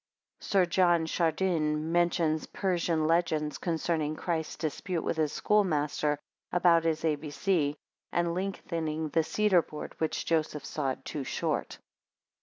Sir John Chardin mentions Persian legends concerning Christ's dispute with his schoolmaster about his ABC; and his lengthening the cedar board which Joseph sawed too short.